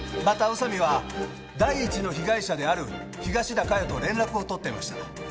また宇佐美は第１の被害者である東田加代と連絡を取っていました。